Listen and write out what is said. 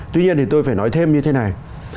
tuy nhiên tôi phải nói thêm như thế này